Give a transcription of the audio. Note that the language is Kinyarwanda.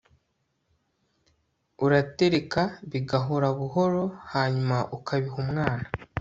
uratereka bigahora buhoro hanyuma ukabiha umwana